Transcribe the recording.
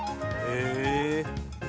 へえ。